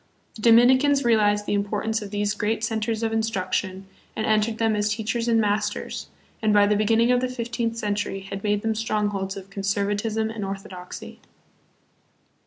The Dominicans realized the importance of these great centers of instruc tion and entered them as teachers and masters, and by the beginning of the fifteenth century had made them strongholds of conservatism and orthodoxy.